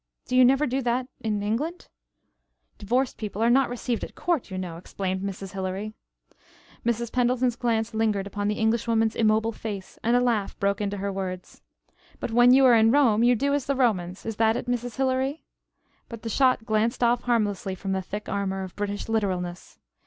Do you never do that in England?" "Divorced people are not received at court, you know," explained Mrs. Hilary. Mrs. Pendleton's glance lingered upon the Englishwoman's immobile face and a laugh broke into her words. "But when you are in Rome, you do as the Romans is that it, Mrs. Hilary?" But the shot glanced off harmlessly from the thick armor of British literalness.